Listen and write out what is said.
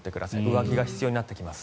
上着が必要になってきます。